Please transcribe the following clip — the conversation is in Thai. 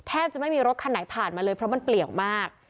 แม่ชาวบ้านจะไม่มีรถคันไหนผ่านมาเลยเพราะเป็นเปลี่ยวมาก